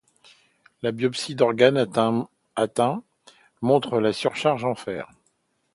La biopsie d'organes atteints montre la surcharge en fer.